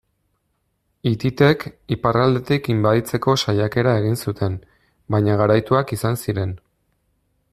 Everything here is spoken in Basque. Hititek, iparraldetik inbaditzeko saiakera egin zuten, baina garaituak izan ziren.